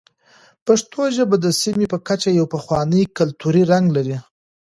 پښتو ژبه د سیمې په کچه یو پخوانی کلتوري رنګ لري.